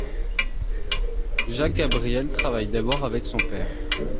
Jacques-Gabriel travaille d'abord avec son père.